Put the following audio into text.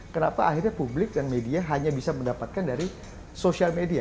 kenapa akhirnya publik dan media hanya bisa mendapatkan dari sosial media